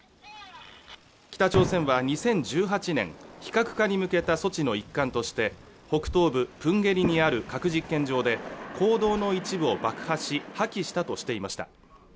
北朝鮮は２０１８年非核化に向けた措置の一環として北東部プンゲリにある核実験場で坑道の一部を爆破し破棄したとしていました